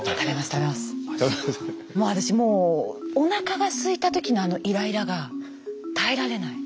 私もうおなかがすいた時のあのイライラが耐えられない。